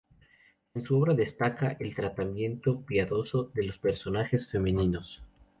En su obra destaca el tratamiento piadoso de los personajes femeninos.